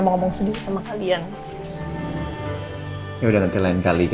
mama mandi dulu bentar ya